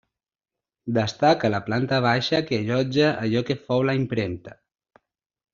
Destaca la planta baixa que allotja allò que fou la impremta.